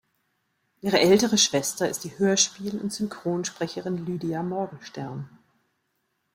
Ihre ältere Schwester ist die Hörspiel- und Synchronsprecherin Lydia Morgenstern.